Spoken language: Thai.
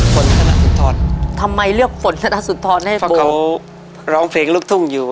ฝนธนสุนทรทำไมเลือกฝนธนสุนทรให้ฟังเขาร้องเพลงลูกทุ่งอยู่